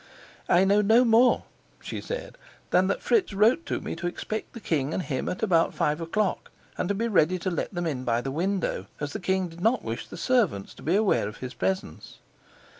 "I know no more," she said, "than that Fritz wrote to me to expect the king and him at about five o'clock, and to be ready to let them in by the window, as the king did not wish the servants to be aware of his presence."